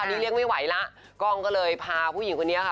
อันนี้เรียกไม่ไหวแล้วกล้องก็เลยพาผู้หญิงคนนี้ค่ะ